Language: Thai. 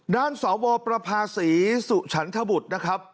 ด้านสวประภาษีสุฉันทบุตรนะครับ